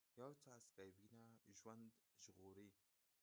یو څاڅکی وینه ژوند ژغوري